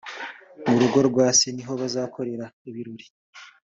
mu rugo rwa se niho bazakorera ibirori